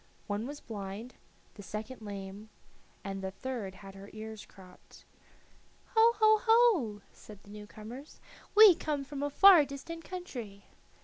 One was blind, the second lame, and the third had her ears cropped. "Ho, ho, ho!" said the new comers. "We come from a far distant country."